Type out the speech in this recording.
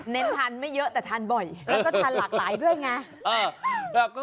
เน้นทานไม่เยอะแต่ทานบ่อยแล้วก็ทานหลากหลายด้วยไง